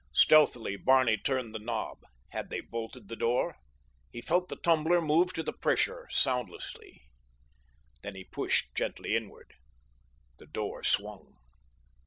Stealthily Barney turned the knob. Had they bolted the door? He felt the tumbler move to the pressure—soundlessly. Then he pushed gently inward. The door swung.